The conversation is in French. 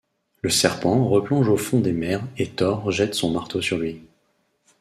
Le serpent replonge au fond des mers et Thor jette son marteau sur lui.